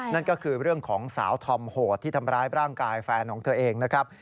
นั่นก็คือเรื่องของสาวธอมโหดที่ทำร้ายร่างกายแฟนของเธอเองนะครับ